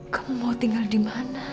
kamu mau tinggal di mana